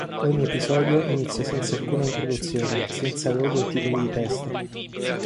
Ogni episodio inizia senza alcuna introduzione, senza logo e titoli di testa.